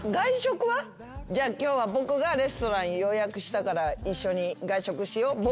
今日は僕がレストラン予約したから一緒に外食しよう僕のおごりで。